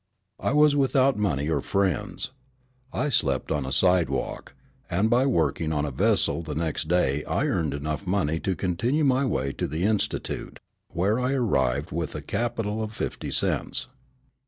I was without money or friends. I slept on a sidewalk; and by working on a vessel the next day I earned money enough to continue my way to the institute, where I arrived with a capital of fifty cents.